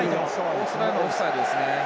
オーストラリアのオフサイドですね。